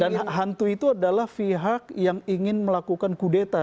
dan hantu itu adalah pihak yang ingin melakukan kudeta